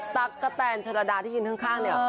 ตั๊กกะแตนชะดดาที่ยินข้างเนี่ย